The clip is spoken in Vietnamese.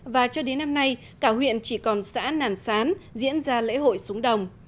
và cho đến năm nay cả huyện chỉ còn xã nàn sán diễn ra lễ hội xuống đồng